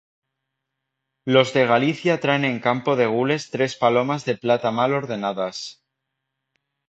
Los de Galicia traen en campo de gules tres palomas de plata mal ordenadas.